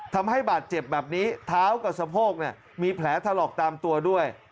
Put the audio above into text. ทำให้บาดเจ็บแบบนี้เท้ากับสะโพกมีแผลถลอกตามตัวด้วย